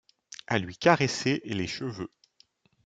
À lui caresser les cheveux.